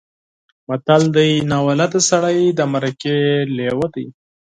متل دی: نابلده سړی د مرکې لېوه دی.